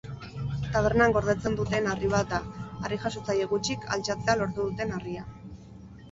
Tabernan gordetzen duten harri bat da, harrijasotzaile gutxik altxatzea lortu duten harria.